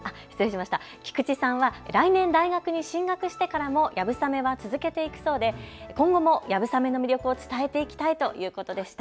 菊池さんは来年、大学に進学してからもやぶさめを続けていくそうで今後もやぶさめの魅力を伝えていきたいということでした。